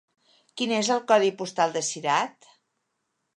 Quin és el codi postal de Cirat?